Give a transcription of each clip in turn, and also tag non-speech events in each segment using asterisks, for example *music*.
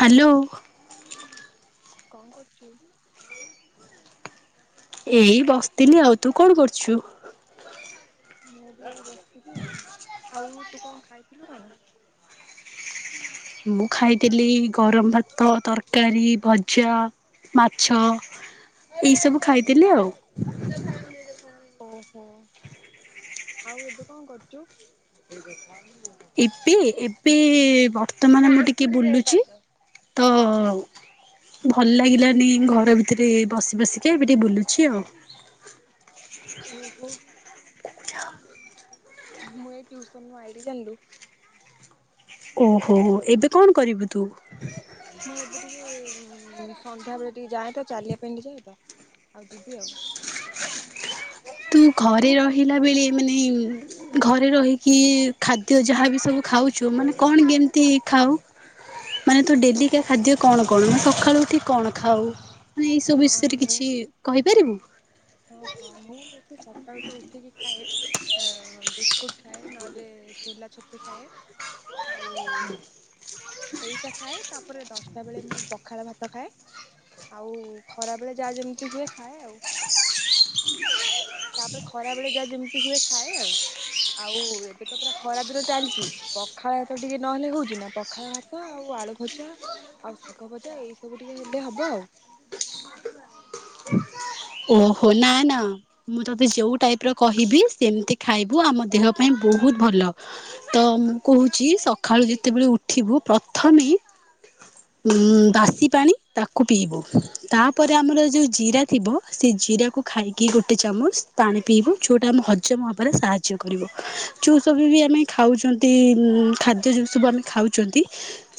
Hello. କଁ କରୁଚୁ। ଏଇ ବସିଥିଲି ଆଉ ତୁ କଣ କରୁଛୁ। ମୁଁ ବି ଏଇ ବସିଥିଲି ଆଉ ଆଉ ତୁ କଁ ଖାଇଥିଲୁ କଣ? ମୁଁ ଖାଇଥିଲି ଗରମ ଭାତ ତରକାରୀ ଭଜା। ମାଛ ଏଇ ସବୁ ଖାଇଥିଲି ଆଉ। ଓହୋ ଆଉ ଏବେ କଁ କରୁଚୁ। *unintelligible* ଏବେ ଏବେ ବର୍ତ୍ତମାନ ମୁଁ ଟିକେ ବୁଲୁଚି। ହଁ ଭଲ ଲାଗିଲାନି ଘର ଭିତରେ ବସି ବସିକା ଏବେ ଟିକେ ବୁଲୁଛି ଆଉ। ଓହୋ। ମୁଁ ଏଇ ଟିଉସନ୍ ରୁ ଆଇଲି ଜାଣିଲୁ। ଓହୋ *unintelligible* ଏବେ କଣ କରିବୁ ତୁ। ମୁଁ ଏବେ ଟିକେ ସନ୍ଧ୍ୟାବେଳେ ଟିକେ ଯାଏ ତ ଚାଲିବା ପାଇଁ ଟିକେ ଯାଏ ତ ଆଉ ଯିବି ଆଉ। ତୁ ତୁ ଘରେ କଣ? ରହିଲା ବେଳେ ମାନେ ଘରେ ରହିକି ଖା ଦ୍ୟ ଯାହା ବି ସବୁ ଖାଉଛୁ ମାନେ କଣ କେମିତି ଖାଉ। ମାନେ ତୋ ଡେଲ୍ଲୀକା ଖାଦ୍ୟ କଣ କଣ *unintelligible* ସଖାଳୁ ଉଠି କଣ ଖାଉ। ମାନେ ଏଇସବୁ ହଁ ବିଷୟରେ ମୁଁ କିଛି କହିପାରିବୁ। ହଁ ହଁ ମୁଁ ବେଶି ସକାଳୁ ତୁ ଉଠିକି ଖାଏ ଏଁ ବିସ୍କୁଟ ଖାଏ ନହେଲେ ଶୋଲା ଛତୁ ଖାଏ ଆଉ ଏଇଟା ଖାଏ ତାପରେ ଦଶଟା ବେଳେ ମୁଁ ପଖାଳ ଭାତ ଖାଏ। ଆଉ ଖରା ବେଳେ ଯାହା ଯେମିତି ହୁଏ ଖାଏ ଆଉ। ତାପରେ ଖରା ବେଳେ ଯାହା ଯେମିତି ହୁଏ ଖାଏ ଆଉ ଆଉ ଏବେ ତ ପୁରା ଖରା ଦିନ ଚାଲିଚି। ପଖାଳ ଭାତ ଟିକେ ନହେଲେ ହୋଉଚି ନା ପଖାଳ ଭାତ ଆଉ ଆଳୁ ଭଜା। ଆଉ ଶାଗ ଭଜା ଏଇ ସବୁ ଟିକେ ହେଲେ ହବ ଆଉ। ଓହୋ ନା ନା। ମୁଁ ତତେ ଯୋଉ ଟାଇପ ର କହିବି ସେମିତି ଖାଇବୁ ଆମ ଦେହ ପାଇଁ ବୋହୁତ ଭଲ। ତ ମୁଁ କୋହୁଚି ସଖାଳୁ ଯେତେବେଳେ ଉଠିବୁ ପ୍ରଥମେ ଉଁ ବାସି ପାଣି ତାକୁ ପିଇବୁ ତାପରେ ଆମର ଯୋଉ ଜିରା ଥିବ ସେଇ ଜିରାକୁ ଖାଇକି ଗୋଟେ ଚାମଚ ପାଣି ପିଇବୁ ଯୋଉଟା ଆମେ ହଜମ ହବାରେ ସାହାଯ୍ୟ କରିବ। ଯେଉଁ ସବି ବି ଆମେ ଖାଉଛନ୍ତି ଖାଦ୍ୟ ଯେଉଁ ସବୁ ଆମେ ଖାଉଚନ୍ତି।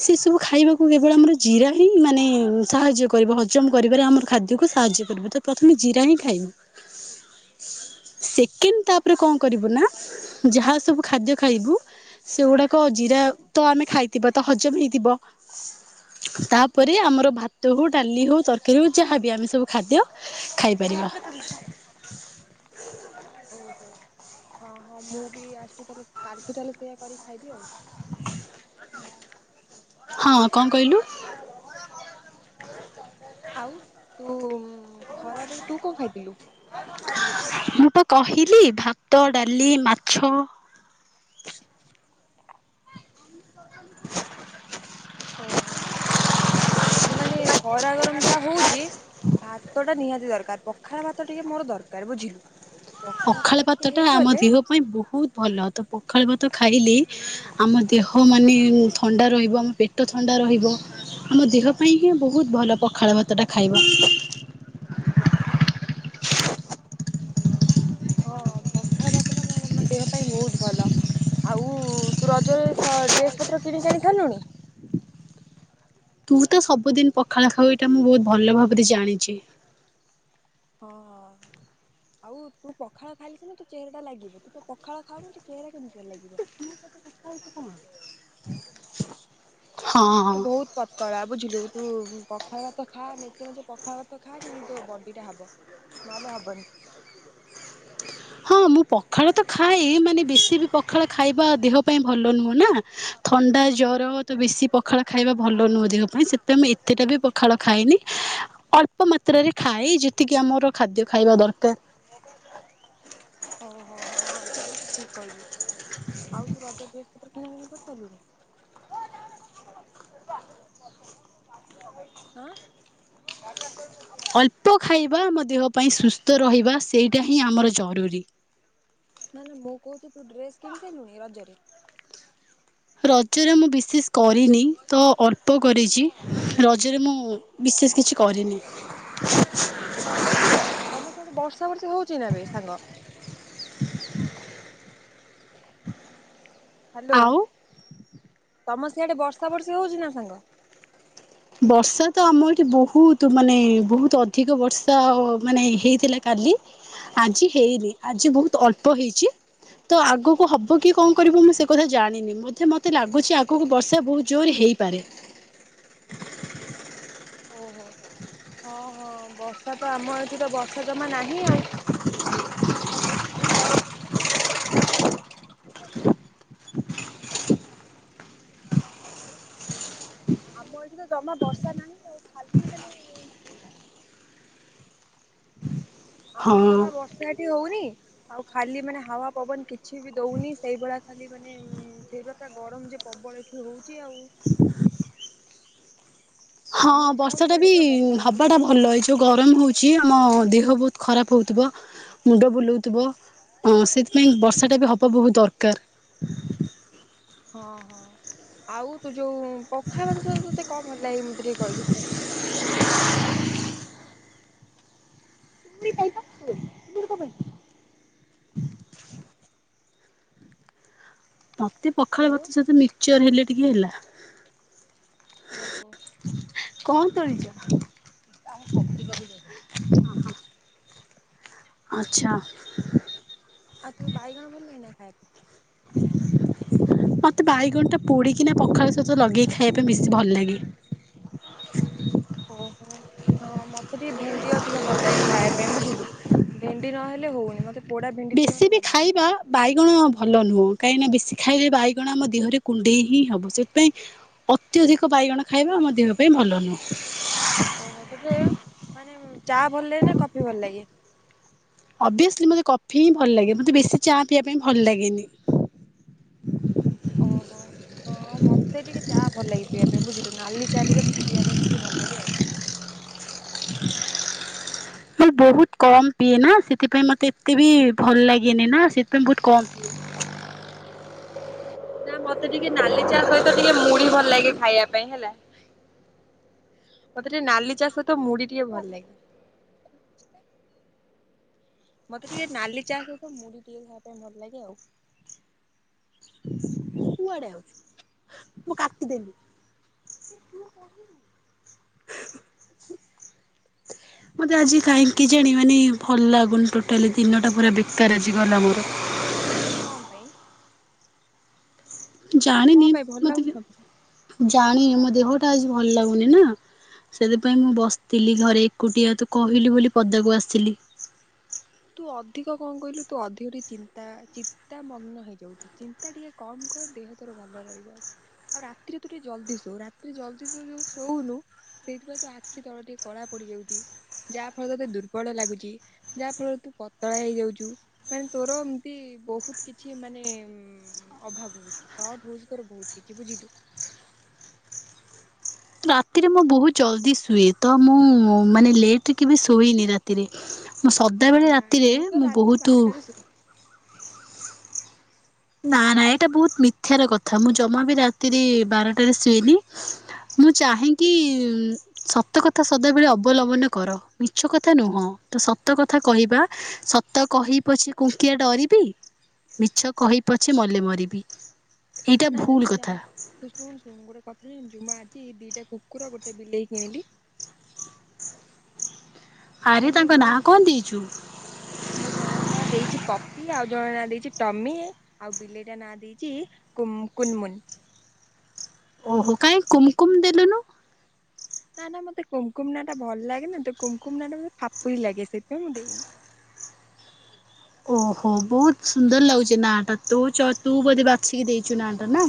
ସେ ସବୁ ଖାଇବାକୁ କେବଳ ଆମର ଜିରା ହିଁ ମାନେ ସାହାଯ୍ୟ କରିବ ହଜମ କରିବାରେ ଆମର ଖାଦ୍ୟକୁ ସାହାଯ୍ୟ କରିବ ତ ପ୍ରଥମେ ଜିରା ହିଁ ଖାଇବୁ। ସେକେ *unintelligible* ତାପରେ କଁ କରିବୁ ନା ଯାହା ସବୁ ଖାଦ୍ୟ ଖାଇବୁ ସେଗୁଡାକ ଜିରା ତ ଆମେ ଖାଇଥିବା ତ ହଜମ ହେଇଥିବ। ତାପରେ ଆମର ଭାତ ହୋଉ ଡାଲି ହୋଉ ତରକାରୀ ହୋଉ ଯାହାବି ଆମେ ସବୁ ଖାଦ୍ୟ ଖାଇପାରିବା। ଓହୋ! ହଁ, ହଁ ମୁଁ ବି ଆସିଠୁ ତାହେଲେ କାଲିଠୁ ତାହେଲେ ସେଇୟା କରିକି ଖାଇବି ଆଉ। ହଁ, କଣ କହିଲୁ? ଆଉ ତୁ ଉଁ, ଖରାବେେଳେ ତୁ କଣ ଖାଇଥିଲୁ? ମୁଁ ପା କହିଲି ଭାତ, ଡାଲି, ମାଛ। *inaudible* ଓହୋ! ହଁ, ଏବେ ମାନେ ଖରା ଗରମ ଯାହା ହଉଚି ଭାତ ଟା ନିହାତି ଦରକାର। ପଖାଳ ଭାତ ଟିକେ ମୋର ଦରକାର ବୁଝିଲୁ। ପଖାଳ ଭାତ ଟିକେ ଭାତଟା ଆମ ହେଇଗଲେ ଦେହ ପାଇଁ ବହୁତ ଭଲ। ତ ପଖାଳ ଭାତ ଖାଇଲେ ଆମ ଦେହ ମାନେ ଉଁ, ଥଣ୍ଡା ରହିବ। ଆମ ପେଟ ଥଣ୍ଡା ରହିବ। ଆମ ଦେହ ପାଇଁ ହିଁ ବହୁତ ଭଲ ପଖାଳ ଭାତ ଟା ଖାଇବା। *inaudible* ହଁ, ପଖାଳ ଭାତ ଟା ମ- ମାନେ ଦେହ ପାଇଁ ବହୁତ ଭଲ। ଆଉ ତୁ ରଜରେ ସ-ଡ୍ରେସ୍ ପତ୍ର କିଣିକି ଆଣି ସାରିଲୁଣି? ତୁ ତ ସବୁଦିନ ପଖାଳ ଖାାଉ ଏଇଟା ମୁଁ ବହୁତ ଭଲ ଭାବରେ ଜାଣିଛି। ହଁ, ହଁ। ଆଉ ତୁ ପଖାଳ ଖାଇଲେ ସିନା ତ ଚେହେରା ଟା ଲାଗିବ। ତୁ ତ ପଖାଳ ଖାଉନୁ ତ ଚହେରା କେମିତିକା ଲାଗିବ? ପଖାଳ ତୁ ଖାଉନୁ ତୁ ବହୁତ ପତଳା ବୁଝିଲୁ, ତୁ ଉଁ, ପଖାଳ ଭାତ ଖା ମେଚେ ମେଚେ ପଖାଳ ଭାତ ଖା ଯାଇକି ତୋ ବଡି ଟା ହବ। ନହେଲେ ହବନି। ହଁ, ମୁଁ ପଖାଳ ତ ଖାଏ। ମାନେ ବେଶୀ ବି ପଖାଳ ଖାଇବା ଦେହ ପାଇଁ ଭଲ ନୁହଁ ନା। ଥଣ୍ଡା, ଜ୍ବର ତ ବେଶୀ ପଖାଳ ଖାଇବା ଭଲ ନୁହଁ ଦେହ ପାଇଁ ସେଥିପାଇଁ ମୁଁ ଏତେଟା ବି ପଖାଳ ଖାଏନି। ଅଳ୍ପ ମାତ୍ରାରେ ଖାଏ, ଯେତିକି ଆମର ଖାଦ୍ୟ ଖାଇବା ଦରକାର। ଓହୋ, ହଁ ଏଟା ବି ତୁ ଠିକ କହିଲୁ। ଆଉ ତୁ ରଜ ଡ୍ରେସ୍ ପତ୍ର କିଣା କିଣି କରିସାଇଲୁଣି? ଆଁ, ଅଳ୍ପ ଖାଇବା, ଆମ ଦେହ ପାଇଁ ସୁସ୍ଥ ରହିବା, ସେଇଟା ହିଁ ଆମର ଜରୁରୀ। ନା ନା ମୁଁ କହୁଚୁ ତୁ ଡ୍ରେସ୍ କିଣି ସାଇଲୁଣି ରଜରେ? ରଜରେ ମୁଁ ବିଶେଷ କରିନି। ତ ଅଳ୍ପ କରିଚି, ରଜରେ ମୁଁ ବିଶେଷ କିଛି କରିନି। ହ *unintelligible* ଓହୋ, ତୋମ ସିଆଡେ ବର୍ଷା ବର୍ଷା ହଉଛି ନା ବେ ସାଙ୍ଗ? *inaudible* ହାଲୋ, ଆଉ ତୋମ ସିଆଡ଼େ ବର୍ଷା ବର୍ଷା ହଉଛି ନା ସାଙ୍ଗ? ବର୍ଷା ତ ଆମ ଏଠି ବହୁତୁ ମାନେ ବହୁତ ଅଧିକ ବର୍ଷା ମାନେ ହେଇଥିଲା କାଲି। ଆଜି ହେଇନି, ଆଜି ବହୁତ ଅଳ୍ପ ହେଇଛି। ତ ଆଗକୁ ହବ କି କଣ କରିବ ମୁଁ ସେ କଥା ଜାଣିନି, ବୋଧେ ମୋତେ ଲାଗୁଛି ଆଗକୁ ବର୍ଷା ବହୁତ ଜୋରେ ହେଇପାରେ। ଓହୋ ହଁ, ହଁ ବର୍ଷା ତ ଆମ ଏଠି ତ ବର୍ଷା ଜମା ନାହିଁ ଆଉ। ଆମ ଏଠି ତ ଜମା ବର୍ଷା ନାହିଁ ଆଉ, ଖାଲି ମାନେ ଆମର ତ ହଁ। ଜମା ବର୍ଷା ଏ ଠି ହଉନି, ଆଉ ଖାଲି ମାନେ ହାୱା ପବନ କିଛି ବି ଦଉନି, ସେଇଭଳିଆ ଖାଲି ମାନେ ହୁଁ, ସେଇ ପ୍ରକା ଗରମ ଯେ ପ୍ରବଳ ଏଠି ହଉଛି ଆଉ। ହଁ ତମର ଯାହା ହଉ ବର୍ଷା ଟା ବି ସିଆଡେ ପୁରା ବର୍ଷା ବର୍ଷି ହବାଟା ହଉଛି ଭଲ, ଏଇ ଯୋଉ ଗରମ ହଉଛି ଆମ ଦେହ ବହୁତ ଖରାପ ହଉଥୁବ, ମୁଣ୍ଡ ବୁଲଉଥୁବ, ସେଥିପାଇଁ ବର୍ଷାଟା ବି ହବା ବହୁତ ଦରକାର। ହଁ, ହଁ ଆଉ ତୁ ଯୋଉ ପଖାଳ ସହିତ ତୋତେ କଣ ଭଲ ଲାଗେ ମୋତେ ଟିକେ କହିଲୁ। ମୋତେ ପଖାଳ ହ୍ୟାଲୋ ସହିତ ମିକଚର୍ ହେଲେ ଟିକେ ହେଲା। ଓ ହୋ। କଣ୍ କରିଚ? ହଁ ହଁ। ଆଚ୍ଛା। ଆଉ ତେ ବାଇଗଣ ଭଲ ଲାଗେ ନା ଖାଇଆକୁ? ମୋତେ ବାଇଗଣଟା ପୋଡ଼ିକିନା ପଖାଳ ସହିତ ଲଗେଇକି ଖାଇଆ ପାଇଁ ବେଶୀ ଭଲ ଲାଗେ। ଓ ହୋ। ହଁ ମତେ ଟିକେ ଭେଣ୍ଡି ଅଧିକ ଭଲ ଲାଗେ ଖାଇଆ ପାଇଁ ବୁଝିଲୁ। ଭେଣ୍ଡି ନହେଲେ ହଉନି ମତେ ପୋଡା ଭେଣ୍ଡି ଟିକେ ବେଶୀ ମତେ ବି ଭଲ ଲାଗେ ଭାରି। ଖାଇବା ବାଇଗଣ ଭଲ ନୁହଁ। କାହିଁକିନା ବେଶୀ ଖାଇଲେ ବାଇଗଣ ଆମ ଦେହରେ କୁଣ୍ଡେଇ ହିଁ ହବ ସେଥିପାଇଁ ଅତ୍ୟଧିକ ବାଇଗଣ ଖାଇବା ଆମ ଦେହ ପାଇଁ ଭଲ ନୁହଁ। ଓ ହୋ ତେବେ ମାନେ ଚା ଭଲ ଲାଗେ ନା କଫି ଭଲ ଲାଗେ? ଅଭିଅସ୍ଲି ମୋତେ କଫି ହିଁ ଭଲ ଲାଗେ। ମୋତେ ବେଶୀ ଚା ପିଇଆ ପାଇଁ ଭଲ ଲାଗେନି। ଓ ହୋ ହଁ ମତେ ଟିକେ ଚା ଭଲ ଲାଗେ ପିଇଆ ପାଇଁ ବଝିଲୁ ନାଲି ଚା ଟିକେ ପିଇଆ ପାଇଁ ଟିକେ ଭଲ ଲାଗେ ଆଉ। ମାନେ ବହୁତ କମ୍ ପିଏ ନା ସେଥିପାଇଁ ମତେ ଏତେ ବି ଭଲ୍ ଲାଗେନି ନା ସେଥିପାଇଁ ବହୁତ କମ୍ ପିଏ। ନା ମତେ ଟିକେ ନାଲି ଚା ସହିତ ଟିକେ ମୁଢି ଭଲ୍ ଲାଗେ ଖାଇଆ ପାଇଁ ହେଲା। ମତେ ଟିକେ ନାଲି ଚା ସହ ମୁଢି ଟିକେ ଭଲ ଲାଗେ। ମତେ ଟିକେ ନାଲି ଚା ସହି ମୁଢି ଟିକେ ଖାଇବା ପାଇଁ ଭଲ ଲାଗେ ଆଉ। କୁଆଡେ ଆଉଚି ମୁଁ କାଟିଦେବି। ମତେ ଆଜି କାହିଁକି କେଜାଣି ମାନେ ଭଲ୍ ଲାଗୁନି ଟୋଟାଲି ଦିନଟା ପୁରା ବେକାର ଆଜିଗଲା ମୋର। କଣ ପାଇଁ? ଜାଣିନି କଣ ପାଇଁ ଭଲ ମତେ ଲାଗୁନି କେ କଣ ପାଇଁ? ଜାଣିନି ମୋ ଦେହ ଟା ଆଜି ଭଲ ଲାଗୁନି ନା? ସେଥିପାଇଁ ମୁଁ ବସଥିଲି ଘରେ ଏକୁଟିଆ ତୁ କହିଲୁ ବୋଲି ପଦାକୁ ଆସିଲି। ତୁ ଅଧିକ କଣ କହିଲୁ ତୁ ଅଧିକ ଟିକେ ଚିନ୍ତା ଚିନ୍ତାମଗ୍ନ ହେଇଯାଉଚୁ। ଚିନ୍ତା ଟିକେ କମ୍ କର ଦେହ ତୋର ଭଲ ରହିବ। ଆଉ ରାତିରେ ତୁ ଟିକେ ଜଲଦି ଶୋ। ରାତିରେ ଜଲଦି ତୁ ଯୋଉ ଶୋଉନୁ ସେଇଥିପାଇଁ ତୋ ଆଖି ତଳ ଟିକେ କଳା ପଡିଯାଉଚି। ଯାହା ଫଳରେ ତୋତେ ଦୁର୍ବଳ ଲାଗୁଚି। ଯାହା ଫଳରେ ତୁ ପତଳା ହେଇଯାଉଚୁ। ମାନେ ତୋର ଏମତି ବହୁତ କିଛି ମାନେ ଉମ୍ ଅଭାବ ହଉଚି। ସର୍ଟ ହଉଚି ତୋର ବହୁତ କିଛି ବୁଝିଲୁ? ରାତିରେ ମୁଁ ବହୁତ ଜଲଦି ଶୁଏ ତ ମୁଁ ମାନେ ଲେଟ୍ ରେ କେବେ ଶୋଇନି ରାତି ରାତି ରେ। ମୁଁ ନା ସଦାବେଳେ ନା ରାତିରେ ତୁ ତ ମୁଁ ରାତିରେ ବହୁତୁ ବାରଟାରେ ଶୋଉଛୁ ନା ନା ଏଇଟା ବହୁତ ମିଥ୍ୟା ର କଥା। ମୁଁ ଜମା ବି ରାତିରେ ବାରଟାରେ ଶୁଏନି। ମୁଁ ଚାହେଁକି ସତ କଥା ସଦାବେଳେ ଅବଲମ୍ବନ କର। ମିଛ କଥା ନୁହଁ। ତ ସତ କଥା କହିବା ସତ କହି ପଛେ କୁଙ୍କିଆ ଡରିବି। ମିଛ କହି ପଛେ ମଲେ ମରିବି। ଏଇଟା ନା ନା ଭୁଲ ତୁ କଥା। ଜାଣ ତୁ ଶୁଣ ଶୁଣୁ ଗୋଟେ କଥା ଜାଣିଚୁ ମୁଁ ଆଜି ଦିଟା କୁକୁର ଗୋଟେ ବିଲେଇ କିଣିଲି। ଆରେ ମାନେ ତାଙ୍କ ମୋ ନାଁ କଣ ଦେଇଚୁ? ମୁଁ ଜଣଙ୍କ ନାଁ ଦେଇଚି ପପି ଆଉ ଜଣଙ୍କ ନାଁ ଦେଇଚି ଟମି ଆଉ ବିଲେଇଟା ନାଁ ଦେଇଚି କୁମ୍ କୁନ୍ ମୁନ୍। ଓହୋ କାଇଁ କୁମକୁୁମ ଦେଲୁନୁ? ନା ନା ମତେ କୁମ୍ କୁମ୍ ନାଁ ଟା ଭଲ ଲାଗେ ନା ତ କୁମ୍ କୁମ୍ ନାଁ ଟା ମତେ ଫାପୁରି ଲାଗେ ସେଥିପାଇଁ ମୁଁ ଦେଇନି। ଓ ହୋ ବହୁତ ସୁନ୍ଦର ଲାଗୁଚେ ନାଁ ଟା। ତୋ ଚଏସ୍ ତୁ ବୋଧେ ବାଛିକି ଦେଇଚୁ ନାଁ ଟା ନା?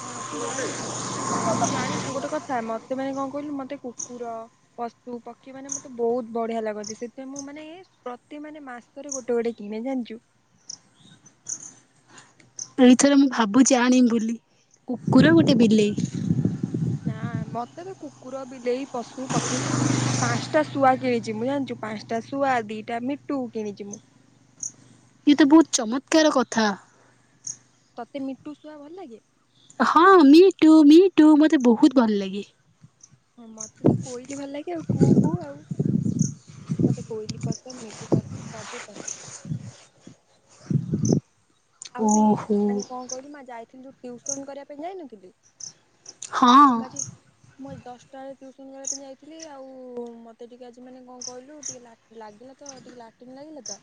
ହଁ ତୁ ଜାଣିଚୁ ଅ ତୁ ଜାଣିଚୁ ଗୋଟେ କଥା ମତେ ମାନେ କଣ କହିଲୁ ମତେ କୁକୁର ପଶୁ ପକ୍ଷୀ ମାନେ ମତେ ବହୁତ୍ ବଢିଆ ଲାଗନ୍ତି ସେଥିପାଇଁ ମୁଁ ମାନେ ପ୍ରତି ମାନେ ମାସରେ ଗୋଟେ ଗୋଟେ କିଣେ ଜାଣିଚୁ। ଏଇ ଥର ମୁଁ ଭାବୁଚି ଆଣିମି ବୋଲି କୁକୁର ଗୋଟେ ବିଲେଇ। ନା ମତେ ତ କୁକୁର ବିଲେଇ ପଶୁ ପକ୍ଷୀ ପାଞ୍ଚ ଟା ଶୁଆ କିଣିଛି ମୁଁ ଜାଣିଛୁ ପାଞ୍ଚଟା ଶୁଆ ଦିଟା ମିଟୁ କିଣିଛି ମୁଁ ଇଏ ତ ବହୁତ ଚମତ୍କାର କଥା ତତେ ମିଟୁ ଶୁଆ ଭଲ ଲାଗେ? ହଁ ମିଟୁ ମିଟୁ ମତେ ବହୁତ ଭଲ ଲାଗେ। ହଁ ମତେ ତ କୋଇଲି ଭଲ ଲାଗେ ଆଉ କୁ କୁ ଆଉ। ମତେ କୋଇଲି ପସନ୍ଦ ମିଟୁ ପସନ୍ଦ ସବୁ ପସନ୍ଦ। *inaudible* ଆଉ ବି ଓହୋ ମାନେ କଣ କହିଲୁ ମା ଯାଇଥିଲି ତ ଟିଉସନ କରିବା ପାଇଁ ଯାଇନଥିଲି ହଁ ମୁଁ ଆଜି ମୁଁ ଆଜି ଦଶ ଟାଳେ ଟ୍ୟୁସନ କରିବା ପାଇଁ ଯାଇଥିଲି ଆଉ ମତେ ଟିକେ ଆଜି ମାନେ କଣ କହିଲୁ ଟିକେ ଲା ଲାଗିଲା ତ ଟିକେ ଲାଟିନ ଲାଗିଲା ତ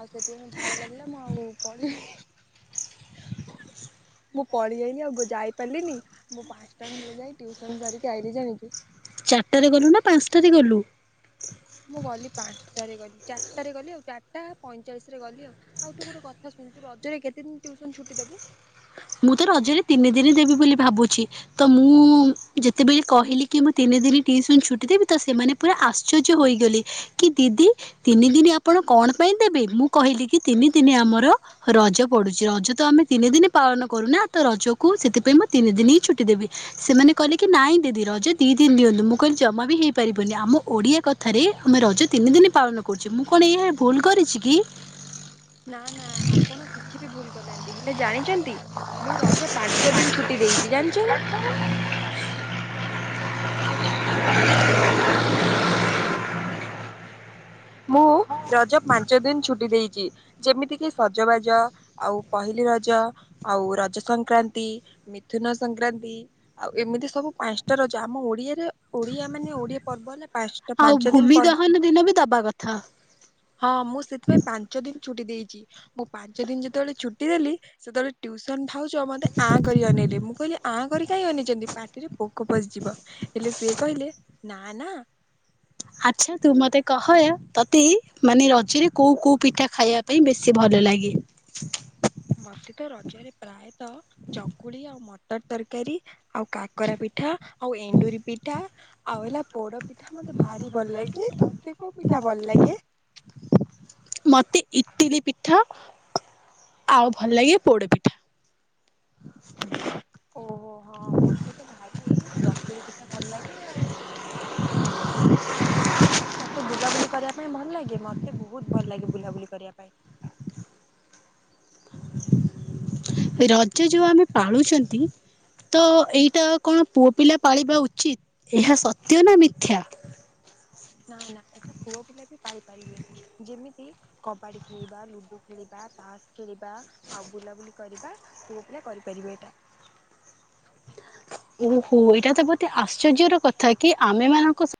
ଆଉ ସେଥିପାଇଁ ମୁ ଝାଡା ଲାଗିଲା ମୁଁ ଆଉ ପଳେଇଲି ମୁଁ ପଳେଇ ଆଇଲିି ଆଉ ଯାଇ ପାରିଲିନି ମୁଁ ପାଞ୍ଚଟା ଖଣ୍ଡରେ ଯାଇ ଟ୍ୟୁସନ ସରିକି ଆଇଲିି ଜାଣିଚୁ? ଚାରିଟାରେ ଗଲୁ ନା ପାଞ୍ଚଟାରେ ଗଲୁ? ମୁଁ ଗଲି ପାଞ୍ଚଟାରେ ଗଲି ଚାରିଟାରେ ଗଲି ଆଉ ଚାରିଟା ପଇଁଚାଳିଶ ରେ ଗଲି ଆଉ ଆଉ ତୁ ଗୋଟେ କଥା ଶୁଣୁ ରଜରେ କେତେ ଦିନ ଟ୍ୟୁସନ ଛୁଟି ଦବୁ? ମୁଁ ତ ରଜରେ ତିନି ଦିନ ଦେବି ବୋଲି ଭାବୁଛି। ତ ମୁଁ ଯେତେବେଳେ କହିଲି କି ମୁଁ ତିନି ଦିନ ଟିଉସନ ଛୁଟି ଦେବି ତ ସେମାନେ ପୁରା ଆଶ୍ଚର୍ଯ୍ୟ ହୋଇଗଲି କି ଦିଦି ତିନି ଦିନ ଆପଣ କଣ ପାଇଁ ଦେବେ ମୁଁ କହିଲି କି ତିନି ଦିନ ଆମର ରଜ ପଡୁଛି ରଜ ତ ଆମେ ତିନି ଦିନ ପାଳନ କରୁନା ତ ରଜକୁ ସେଥିପାଇଁ ମୁଁ ତିନି ଦିନ ହିଁ ଛୁଟି ଦେବି। ସେମାନେ କହିଲେ କି ନାଇଁ ଦିଦି ରଜ ଦି ଦିନ ଦିଅନ୍ତୁ ମୁଁ କହିଲି ଜମା ବି ହେଇପାରିବନି ଆମ ଓଡିଆ କଥା କଥାରେ ଆମେ ରଜ ତିନି ଦିନ ପାଳନ କରୁଛେ ମୁଁ କଣ ଏହା ଭୁଲ୍ କରିଛି କି? ନା ନା ଆପଣ କିଛି ବି ଭୁଲ କରିୁନାହାନ୍ତି। ହେଲେ ଜାଣିଛନ୍ତି ମୁଁ ରଜ ପାଞ୍ଚ ଦିନ ଛୁଟି ଦେଇଛି ଜାଣିଛ ନା। ମୁଁ ରଜ ପାଞ୍ଚ ଦିନ ଛୁଟି ଦେଇଛି ‌। ଯେମିତି କିି ସଜବାଜ ଆଉ ପହିଲି ରଜ ଆଉ ରଜ ସଂକ୍ରାନ୍ତି ମିଥୁନ ସଂକ୍ରାନ୍ତି ଆଉ ଏମିତି ସବୁ ପାଞ୍ଚଟା ରଜ ଆମ ଓଡିଆରେ ଓଡିଆ ମାନେ ଓଡିଆ ପର୍ବ ହେଲା ପାଞ୍ଚଟା ଆଉ ପାଞ୍ଚ ଦିନ ଭୂମି ପର୍ବ ଦହନ ଦିନ ବି ଦବା କଥା। ହଁ ମୁଁ ସେଥିପାଇଁ ପାଞ୍ଚ ଦିନ ଛୁଟି ଦେଇଛି ମୁଁ ପାଞ୍ଚ ଦିନ ଯେତେବେଳେ ଛୁଟି ଦେଲି ସେତେବେଳେ ଟ୍ୟୁସନ ଭାଉଛ ମତେ ଆ କରି ଅନେଇଲେ ମୁଁ କହିଲି ଆଁ କରି କାହିଁ ଅନେଇଛନ୍ତି ପାଟିରେ ପୋକ ପଶିଯିବ ହେଲେ ସିଏ କହିଲେ ନା ନା ଆଚ୍ଛା ତୁ ମତେ କହ ତତେ ମାନେ ରଜରେ କୋଉ କୋଉ ପିଠା ଖାଇବା ପାଇଁ ବେଶୀ ଭଲ ଲାଗେ। ମୋତେତ ରଜରେ ପ୍ରାୟତଃ, ଚକୁଳି, ଆଉ, ମଟର, ତରକାରୀ। ଆଉ, କାକରା, ପିଠା, ଆଉ, ଏଣ୍ଡୁରି, ପିଠା। ଆଉ ହେଲା, ପୋଡ, ପିଠା, ମତେ ଭାରି ଭଲ ଲାଗେ ତତେକ, ପିଠା, ଭଲ ଲାଗେ। ମତେ, ଇଟିଲି, ପିଠା। ଆଉ ଭଲ ଲାଗେ, ପୋଡ, ପିଠା। *inaudible* ଓହୋହୋ ମତେ ତ ଭାରି, ଚକୁଳି, ପିଠା, ଭଲ ଲାଗେ ଆଉ। ଆଉ ତୋତେ ବୁଲାବୁଲି କରିବା ପାଇଁ ଭଲ ଲାଗେ ମତେ ବହୁତ ଭଲ ଲାଗେ ବୁଲାବୁଲି କରିବା ପାଇଁ। ରଜ ଯୋଉ ଆମେ ପାଳୁଛନ୍ତି। ତ ଏଇଟା କଣ ପୁଅ ପିଲା ପାଳିବା ଉଚିତ ଏହା ସତ୍ୟ ନା ମିଥ୍ୟା? ନା ନା ଏଟା ପୁଅ ପିଲା ବି ପାଳି ପାରିବେ ଯେମିତି କବାଡି ଖେଳିବା, ଲୁଡୁ ଖେଳିବା, ତାସ ଖେଳିବା, ଆଉ ବୁଲାବୁଲି କରିବା। ପୁଅ ପିଲା କରିପାରିବେ ଏଇଟା। ଓହୋ ଏଇଟା ତ ବତେ ଆଶ୍ଚର୍ଯ୍ୟର କଥା କି ଆମେ ମାନଙ୍କ